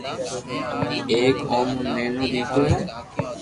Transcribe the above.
ايڪ او مو نينيو ديڪرو ھي